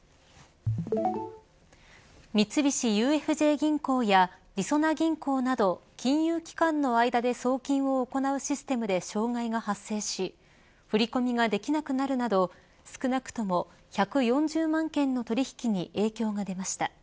三菱ＵＦＪ銀行やりそな銀行など金融機関の間で送金を行うシステムで障害が発生し振り込みができなくなるなど少なくとも１４０万件の取引に影響が出ました。